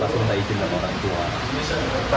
pasti minta izin dari orang tua